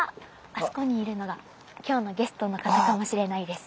あそこにいるのが今日のゲストの方かもしれないです！